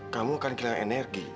kamu akan kehilangan energi